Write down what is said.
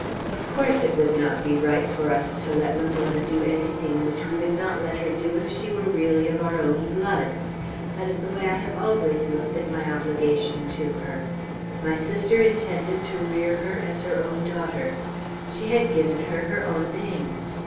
"Of course it would not be right for us to let Ramona do anything which we would not let her do if she were really of our own blood. That is the way I have always looked at my obligation to her. My sister intended to rear her as her own daughter. She had given her her own name.